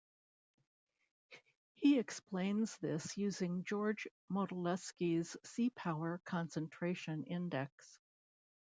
He explains this using George Modelski's Seapower Concentration Index.